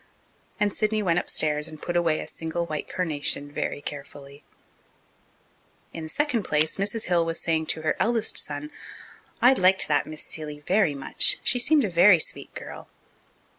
And Sidney went upstairs and put away a single white carnation very carefully. In the second place, Mrs. Hill was saying to her eldest son, "I liked that Miss Seeley very much. She seemed a very sweet girl."